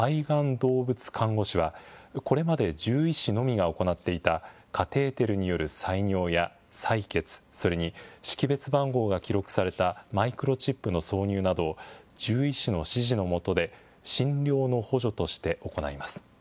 動物看護師は、これまで獣医師のみが行っていたカテーテルによる採尿や採血、それに識別番号が記録されたマイクロチップの挿入など、獣医師の指示のもとで診療の補助として行います。